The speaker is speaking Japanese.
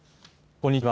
こんにちは。